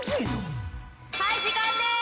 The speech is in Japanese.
はい時間です！